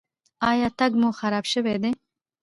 ایا تګ مو خراب شوی دی؟